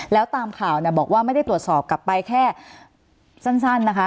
แล้วตามข่าวเนี่ยบอกว่าไม่ได้ตรวจสอบกลับไปแค่สั้นนะคะ